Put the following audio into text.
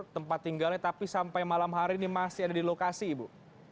tempat tinggalnya tapi sampai malam hari ini masih ada di lokasi ibu